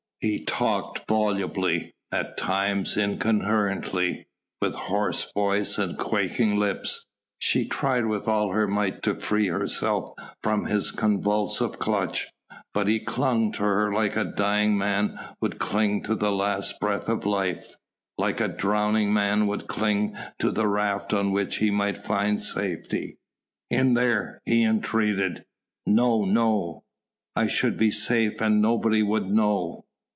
He talked volubly, at times incoherently, with hoarse voice and quaking lips. She tried with all her might to free herself from his convulsive clutch but he clung to her like a dying man would cling to the last breath of life like a drowning man would cling to the raft on which he might find safety. "In there " he entreated. "No no " "I should be safe and nobody would know."